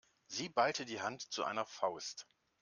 Sie ballte die Hand zu einer Faust.